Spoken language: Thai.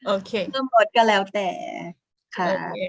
โอเคหมดก็แล้วแต่ค่ะ